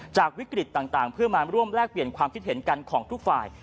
จากวิกฤตต่างเพื่อมาร่วมแลกเปลี่ยนความคิดเห็นกันของทุกฝ่าย